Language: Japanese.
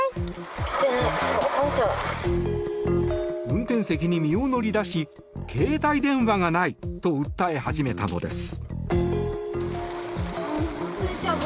運転席に身を乗り出し携帯電話がないと訴え始めたのです。